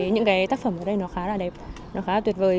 những cái tác phẩm ở đây nó khá là đẹp nó khá là tuyệt vời